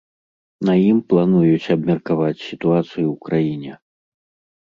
На ім плануюць абмеркаваць сітуацыю ў краіне.